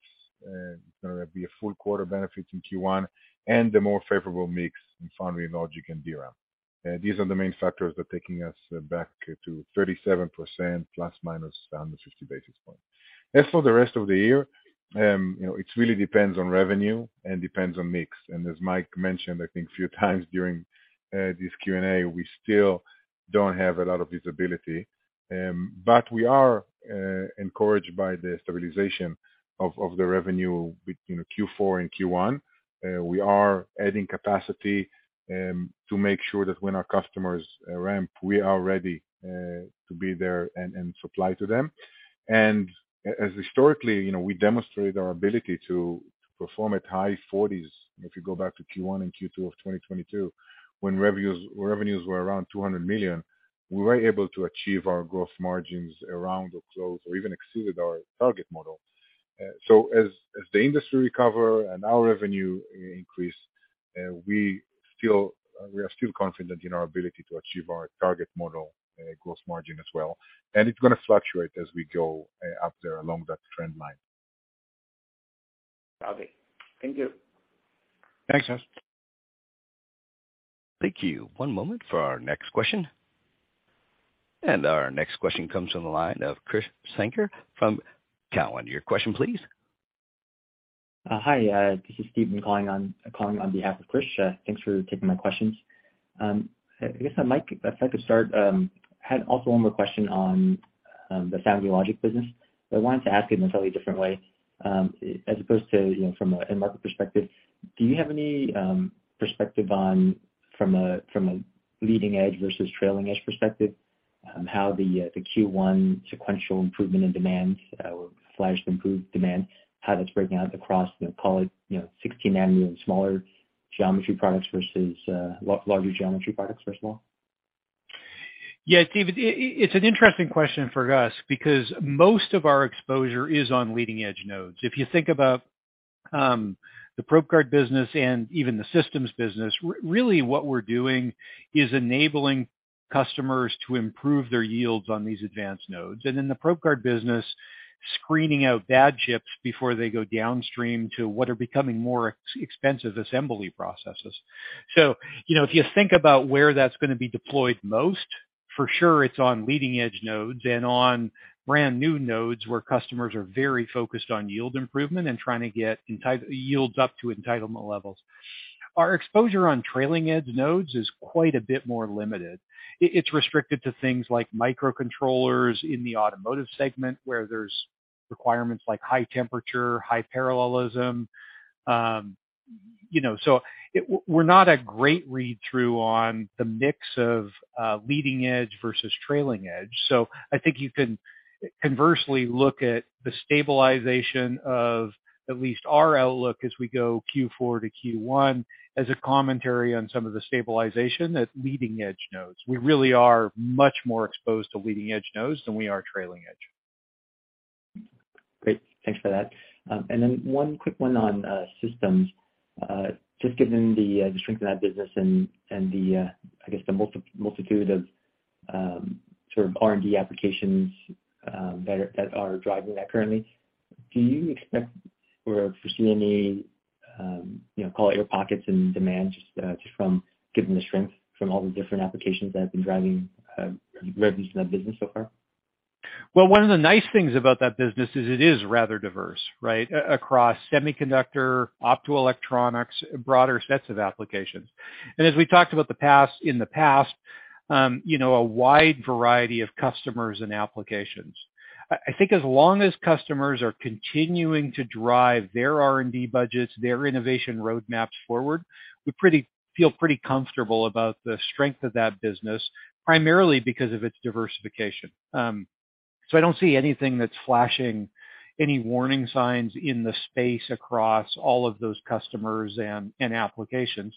gonna be a full quarter benefit in Q1, and the more favorable mix in foundry, logic and DRAM. These are the main factors that are taking us back to 37% plus minus around the 50 basis points. As for the rest of the year, you know, it really depends on revenue and depends on mix. As Mike mentioned, I think a few times during this Q&A, we still don't have a lot of visibility. We are encouraged by the stabilization of the revenue between Q4 and Q1. We are adding capacity to make sure that when our customers ramp, we are ready to be there and supply to them. As historically, you know, we demonstrated our ability to perform at high 40s%. If you go back to Q1 and Q2 of 2022, when revenues were around $200 million, we were able to achieve our growth margins around or close or even exceeded our target model. As the industry recover and our revenue increase, we are still confident in our ability to achieve our target model gross margin as well. It's gonna fluctuate as we go up there along that trend line. Got it. Thank you. Thanks, Hans. Thank you. One moment for our next question. Our next question comes from the line of Krish Sankar from TD Cowen. Your question, please. Hi. This is Steve calling on behalf of Krish. Thanks for taking my questions. I guess Mike, if I could start, had also one more question on the foundry logic business, but I wanted to ask it in a totally different way, as opposed to, you know, from an end market perspective. Do you have any perspective on from a leading edge versus trailing edge perspective, how the Q1 sequential improvement in demand, or flash improved demand, how that's breaking out across, you know, call it, you know, 16 nanometer and smaller geometry products versus larger geometry products, first of all? Steve. It's an interesting question for us because most of our exposure is on leading-edge nodes. If you think about the probe card business and even the systems business, really what we're doing is enabling customers to improve their yields on these advanced nodes. In the probe card business, screening out bad chips before they go downstream to what are becoming more expensive assembly processes. You know, if you think about where that's gonna be deployed most, for sure it's on leading-edge nodes and on brand new nodes where customers are very focused on yield improvement and trying to get entitlement yields up to entitlement levels. Our exposure on trailing edge nodes is quite a bit more limited. It's restricted to things like microcontrollers in the automotive segment, where there's requirements like high temperature, high parallelism, you know. We're not a great read-through on the mix of leading edge versus trailing edge. I think you can conversely look at the stabilization of at least our outlook as we go Q4 to Q1 as a commentary on some of the stabilization at leading edge nodes. We really are much more exposed to leading edge nodes than we are trailing edge. Great. Thanks for that. One quick one on systems. Just given the strength of that business and the I guess the multitude of sort of R&D applications that are driving that currently, do you expect or foresee any, you know, call it air pockets and demand just from given the strength from all the different applications that have been driving revenues in that business so far? Well, one of the nice things about that business is it is rather diverse, right, across semiconductor, optoelectronics, broader sets of applications. As we talked about the past, in the past, you know, a wide variety of customers and applications. I think as long as customers are continuing to drive their R&D budgets, their innovation roadmaps forward, we feel pretty comfortable about the strength of that business, primarily because of its diversification. I don't see anything that's flashing any warning signs in the space across all of those customers and applications.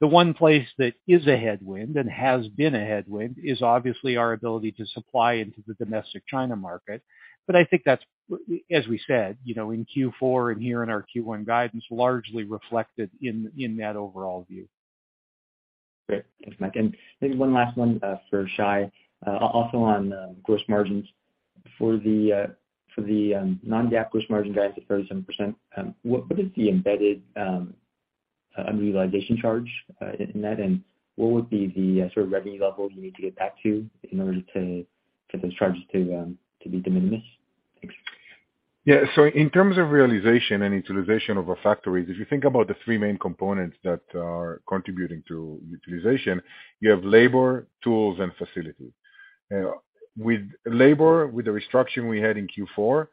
The one place that is a headwind and has been a headwind is obviously our ability to supply into the domestic China market. I think that's, as we said, you know, in Q4 and here in our Q1 guidance, largely reflected in that overall view. Great. Thanks, Mike. Maybe one last one for Shai, also on gross margins. For the non-GAAP gross margin guidance at 37%, what is the embedded utilization charge in that? What would be the sort of revenue level you need to get back to in order to, for those charges to be de minimis? Thanks. Yeah. In terms of realization and utilization of our factories, if you think about the three main components that are contributing to utilization, you have labor, tools, and facilities. With labor, with the restructuring we had in Q4,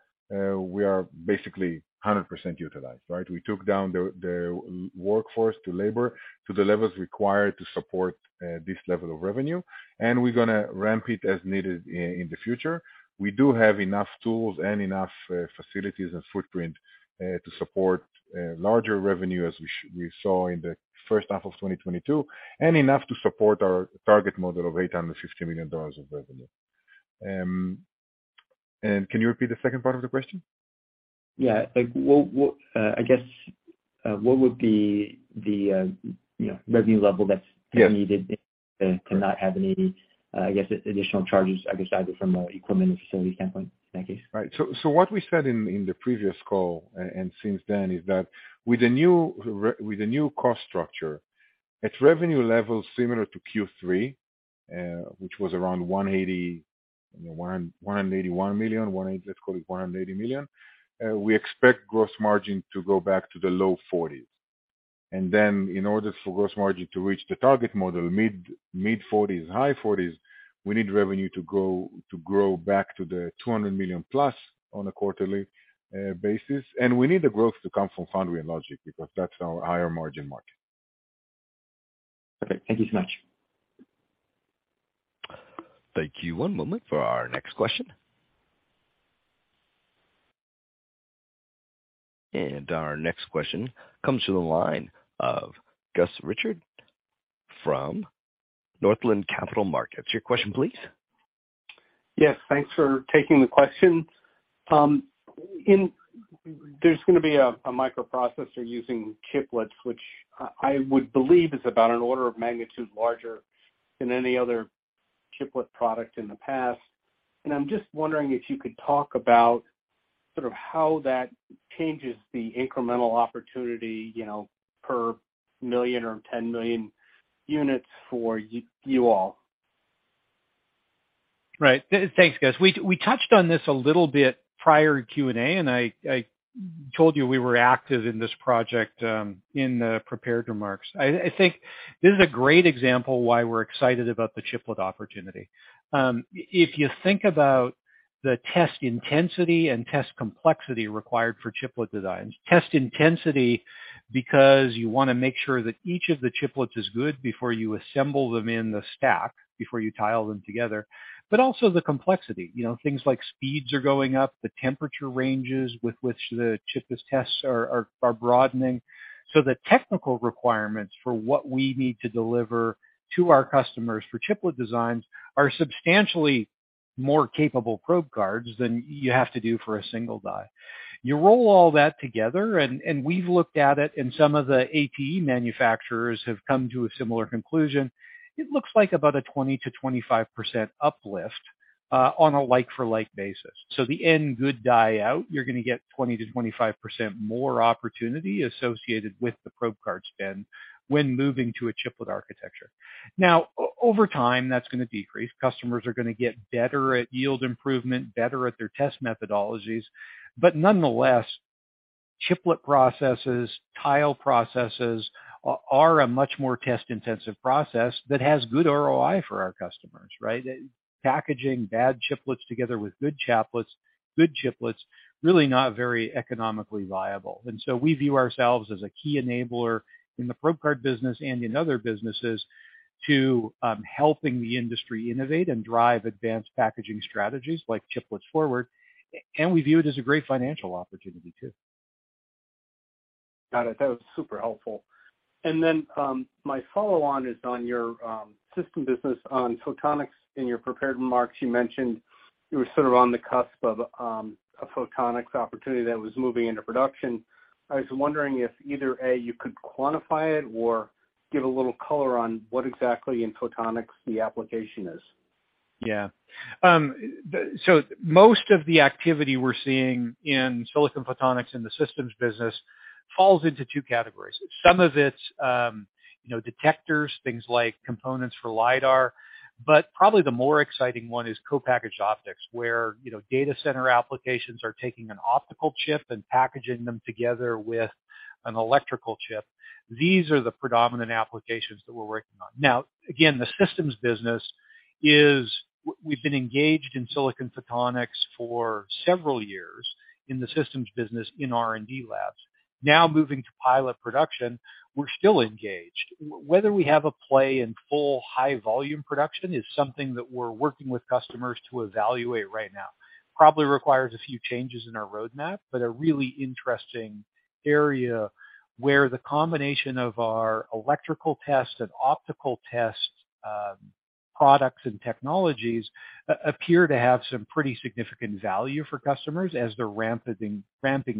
we are basically 100% utilized, right? We took down the workforce to labor to the levels required to support this level of revenue, and we're gonna ramp it as needed in the future. We do have enough tools and enough facilities and footprint to support larger revenue as we saw in the first half of 2022, and enough to support our target model of $850 million of revenue. Can you repeat the second part of the question? Yeah. Like what, I guess, what would be the, you know, revenue level? Yeah. needed, to not have any, I guess, additional charges, I guess either from equipment or facility standpoint? Thank you. Right. So what we said in the previous call and since then is that with the new cost structure, at revenue levels similar to Q3, which was around $180, $181 million, let's call it $180 million, we expect gross margin to go back to the low 40s. In order for gross margin to reach the target model, mid-40s, high 40s, we need revenue to grow back to the $200 million+ on a quarterly basis. We need the growth to come from Foundry and Logic because that's our higher margin market. Okay. Thank you so much. Thank you. One moment for our next question. Our next question comes to the line of Gus Richard from Northland Capital Markets. Your question please. Yes, thanks for taking the question. There's gonna be a microprocessor using chiplets, which I would believe is about an order of magnitude larger than any other chiplet product in the past, and I'm just wondering if you could talk about sort of how that changes the incremental opportunity, you know, per million or 10 million units for you all. Right. Thanks, Gus. We touched on this a little bit prior to Q&A. I told you we were active in this project in the prepared remarks. I think this is a great example why we're excited about the chiplet opportunity. If you think about the test intensity and test complexity required for chiplet designs, test intensity because you wanna make sure that each of the chiplets is good before you assemble them in the stack, before you tile them together. Also the complexity. You know, things like speeds are going up, the temperature ranges with which the chiplets tests are broadening. The technical requirements for what we need to deliver to our customers for chiplet designs are substantially More capable probe cards than you have to do for a single die. You roll all that together, and we've looked at it, and some of the ATE manufacturers have come to a similar conclusion. It looks like about a 20%-25% uplift on a like-for-like basis. The end good die out, you're gonna get 20%-25% more opportunity associated with the probe card spend when moving to a chiplet architecture. Over time, that's gonna decrease. Customers are gonna get better at yield improvement, better at their test methodologies. Nonetheless, chiplet processes, tile processes, are a much more test-intensive process that has good ROI for our customers, right? Packaging bad chiplets together with good chiplets, really not very economically viable. We view ourselves as a key enabler in the probe card business and in other businesses to, helping the industry innovate and drive advanced packaging strategies like chiplets forward, and we view it as a great financial opportunity too. Got it. That was super helpful. My follow-on is on your system business on photonics. In your prepared remarks, you mentioned you were sort of on the cusp of a photonics opportunity that was moving into production. I was wondering if either, A, you could quantify it or give a little color on what exactly in photonics the application is. Most of the activity we're seeing in silicon photonics in the systems business falls into two categories. Some of it's, you know, detectors, things like components for LIDAR, but probably the more exciting one is co-packaged optics, where, you know, data center applications are taking an optical chip and packaging them together with an electrical chip. These are the predominant applications that we're working on. Now, again, the systems business is we've been engaged in silicon photonics for several years in the systems business in R&D labs. Now moving to pilot production, we're still engaged. Whether we have a play in full high volume production is something that we're working with customers to evaluate right now. Probably requires a few changes in our roadmap, but a really interesting area where the combination of our electrical test and optical test products and technologies appear to have some pretty significant value for customers as they're ramping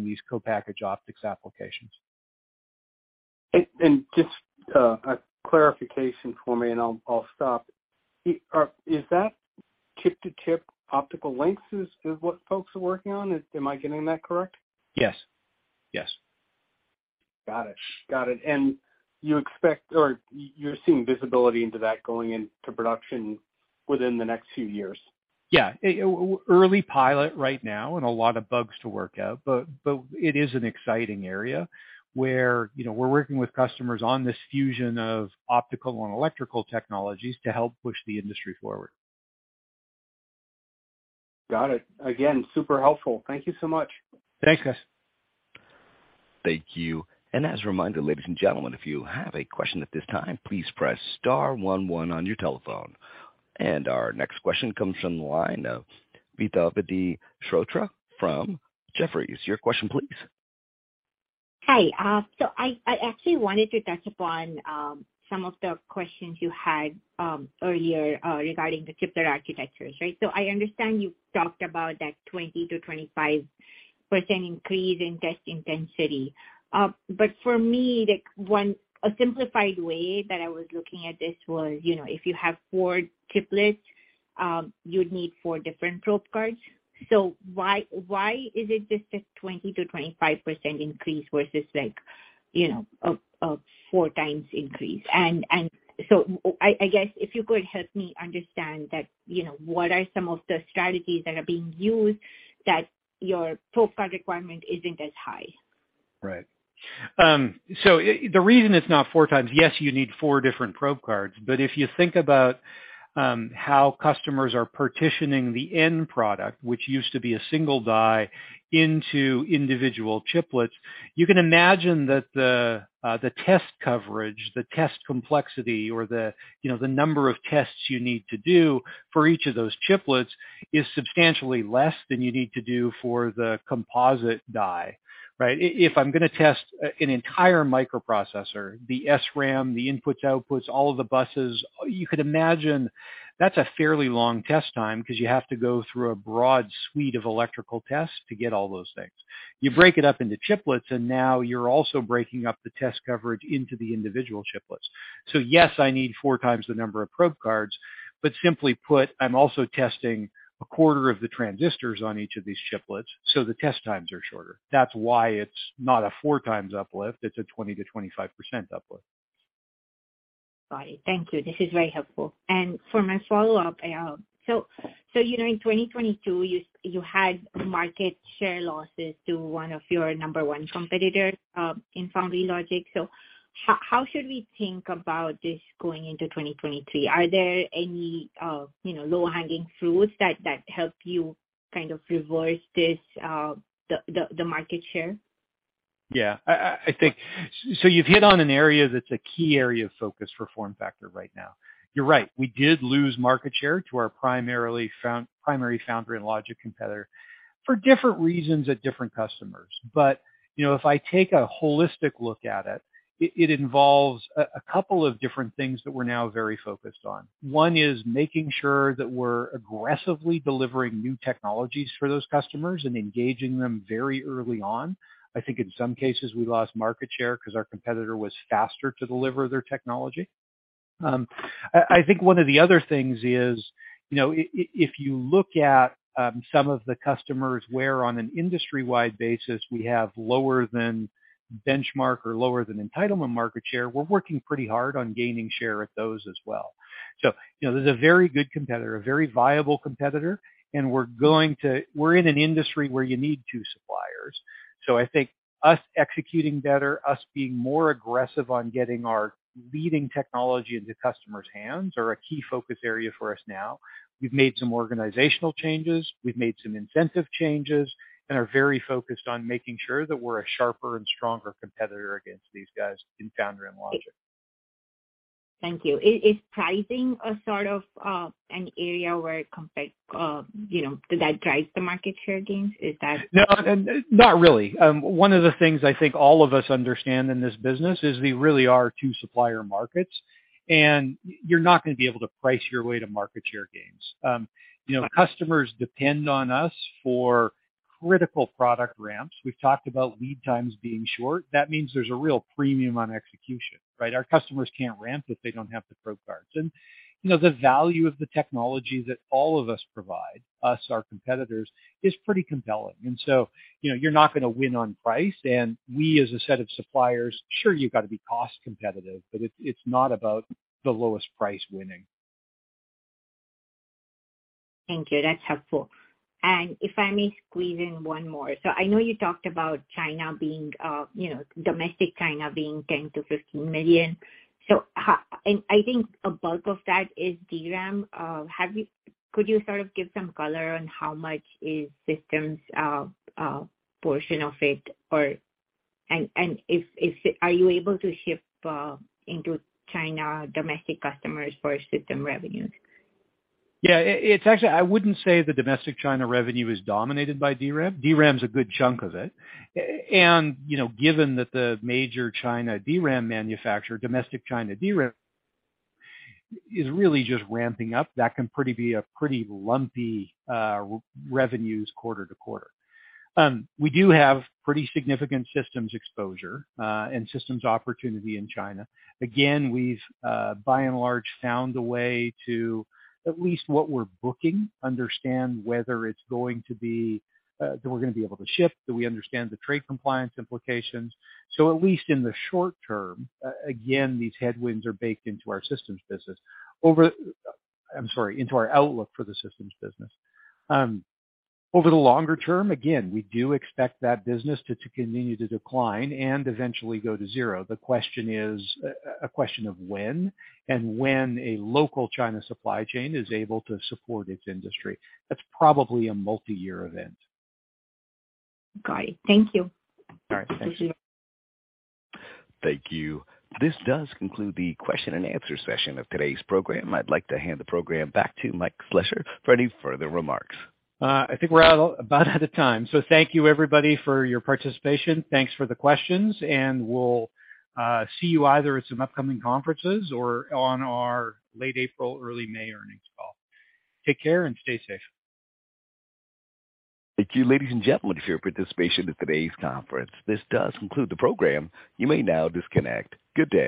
these co-packaged optics applications. Just, a clarification for me, and I'll stop. Is that tip-to-tip optical lengths is what folks are working on? Am I getting that correct? Yes. Yes. Got it. You expect or you're seeing visibility into that going into production within the next few years? Early pilot right now and a lot of bugs to work out, but it is an exciting area where, you know, we're working with customers on this fusion of optical and electrical technologies to help push the industry forward. Got it. Again, super helpful. Thank you so much. Thanks, Gus. Thank you. As a reminder, ladies and gentlemen, if you have a question at this time, please press star one one on your telephone. Our next question comes from the line of Vedvati Shrotri from Jefferies. Your question, please. Hi. I actually wanted to touch upon some of the questions you had earlier regarding the chiplet architectures, right? I understand you talked about that 20%-25% increase in test intensity. For me, A simplified way that I was looking at this was, you know, if you have four chiplets, you would need four different probe cards. Why is it just a 20%-25% increase versus like, you know, a 4x increase? I guess if you could help me understand that, you know, what are some of the strategies that are being used that your probe card requirement isn't as high? The reason it's not four times, yes, you need four different probe cards. If you think about how customers are partitioning the end product, which used to be a single die into individual chiplets, you can imagine that the test coverage, the test complexity or, you know, the number of tests you need to do for each of those chiplets is substantially less than you need to do for the composite die, right? If I'm gonna test an entire microprocessor, the SRAM, the inputs, outputs, all of the buses, you could imagine that's a fairly long test time because you have to go through a broad suite of electrical tests to get all those things. You break it up into chiplets, now you're also breaking up the test coverage into the individual chiplets. Yes, I need 4x the number of probe cards, but simply put, I'm also testing a quarter of the transistors on each of these chiplets, so the test times are shorter. That's why it's not a 4x uplift, it's a 20% to 25% uplift. Got it. Thank you. This is very helpful. For my follow-up, so, you know, in 2022, you had market share losses to one of your number one competitors, in foundry logic. How should we think about this going into 2023? Are there any, you know, low-hanging fruits that help you kind of reverse this, the market share? I think you've hit on an area that's a key area of focus for FormFactor right now. You're right. We did lose market share to our primary founder and logic competitor. For different reasons at different customers. You know, if I take a holistic look at it involves a couple of different things that we're now very focused on. One is making sure that we're aggressively delivering new technologies for those customers and engaging them very early on. I think in some cases, we lost market share 'cause our competitor was faster to deliver their technology. I think one of the other things is, you know, if you look at some of the customers where on an industry-wide basis we have lower than benchmark or lower than entitlement market share, we're working pretty hard on gaining share at those as well. You know, there's a very good competitor, a very viable competitor, and we're in an industry where you need two suppliers. I think us executing better, us being more aggressive on getting our leading technology into customers' hands are a key focus area for us now. We've made some organizational changes, we've made some incentive changes, and are very focused on making sure that we're a sharper and stronger competitor against these guys in founder and logic. Thank you. Is pricing a sort of, an area where you know, does that drive the market share gains? No, not really. One of the things I think all of us understand in this business is we really are two supplier markets, and you're not gonna be able to price your way to market share gains. You know, customers depend on us for critical product ramps. We've talked about lead times being short. That means there's a real premium on execution, right? Our customers can't ramp if they don't have the ProGard. You know, the value of the technology that all of us provide, us, our competitors, is pretty compelling. You know, you're not gonna win on price. We as a set of suppliers, sure you've got to be cost competitive, but it's not about the lowest price winning. Thank you. That's helpful. If I may squeeze in one more. I know you talked about China being, you know, domestic China being $10 million-$15 million. How... and I think a bulk of that is DRAM. Could you sort of give some color on how much is systems, portion of it, or... If, are you able to ship into China domestic customers for system revenues? Yeah. It's actually I wouldn't say the domestic China revenue is dominated by DRAM. DRAM is a good chunk of it. You know, given that the major China DRAM manufacturer, domestic China DRAM is really just ramping up, that can pretty be a pretty lumpy revenues quarter to quarter. We do have pretty significant systems exposure and systems opportunity in China. Again, we've, by and large, found a way to, at least what we're booking, understand whether it's going to be that we're gonna be able to ship, that we understand the trade compliance implications. At least in the short term, again, these headwinds are baked into our systems business. I'm sorry, into our outlook for the systems business. Over the longer term, again, we do expect that business to continue to decline and eventually go to zero. The question is a question of when and when a local China supply chain is able to support its industry. That's probably a multi-year event. Got it. Thank you. All right. Thank you. Thank you. Thank you. This does conclude the question and answer session of today's program. I'd like to hand the program back to Mike Slessor for any further remarks. I think we're about out of time. Thank you everybody for your participation. Thanks for the questions, we'll see you either at some upcoming conferences or on our late April, early May earnings call. Take care and stay safe. Thank you, ladies and gentlemen, for your participation in today's conference. This does conclude the program. You may now disconnect. Good day.